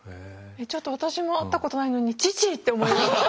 ちょっと私も会ったことないのに「父！」って思いました。